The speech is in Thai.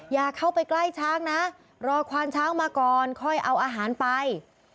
อย่าเข้าไปใกล้ช้างนะรอควานช้างมาก่อนค่อยเอาอาหารไป